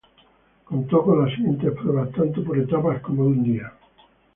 Contó con las siguientes pruebas, tanto por etapas como de un día.